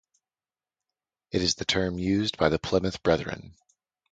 It is the term used by the Plymouth Brethren.